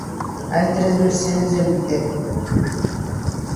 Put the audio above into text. Hay tres versiones del vídeo.